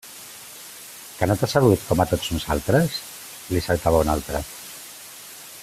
-¿Què no t'ha seduït, com a tots nosaltres?- li saltava un altre.